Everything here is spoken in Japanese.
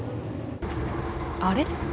あれ？